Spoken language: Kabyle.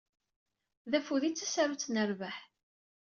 D afud ay d tasarut n rrbeḥ.